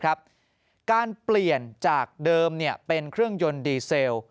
การเปลี่ยนจากเดิมเป็นเครื่องยนต์ดีเซล